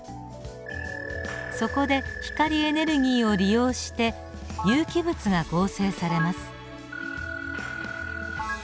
そこで光エネルギーを利用して有機物が合成されます。